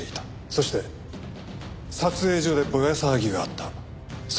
そして撮影所でぼや騒ぎがあったその日も。